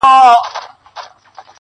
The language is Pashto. عدالت یې هر سړي ته وو منلی!!